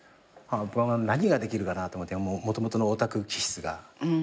何ができるかなと思ってもともとのオタク気質が出てきて。